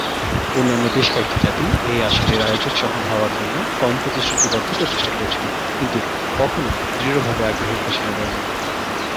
অন্যান্য বেশ কয়েকটি জাতি এই আসরের আয়োজক শহর হওয়ার জন্য কম প্রতিশ্রুতিবদ্ধ প্রচেষ্টা করেছিল, কিন্তু কখনও দৃঢ়ভাবে আগ্রহের ঘোষণা দেয়নি।